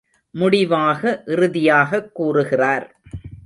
முடிவாக இறுதியாகக் கூறுகிறார்.